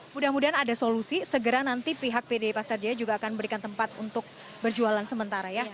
mudah mudahan ada solusi segera nanti pihak pd pasar jaya juga akan memberikan tempat untuk berjualan sementara ya